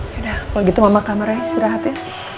sudah kalau gitu mama kamarnya istirahat ya